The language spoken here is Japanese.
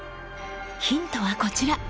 ヒントはこちら。